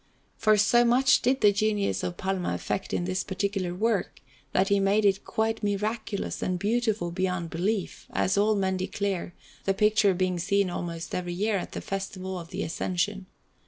For so much did the genius of Palma effect in this particular work, that he made it quite miraculous and beautiful beyond belief, as all men declare, the picture being seen almost every year at the Festival of the Ascension.